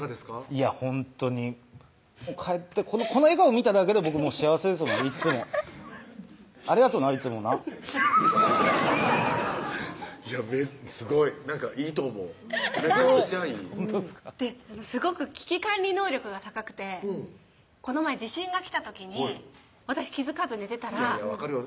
いやほんとに帰ってこの笑顔見ただけで僕幸せですもんいっつもありがとないつもないやすごいいいと思うめちゃくちゃいいほんとですかすごく危機管理能力が高くてこの前地震が来た時に私気付かず寝てたら分かるよ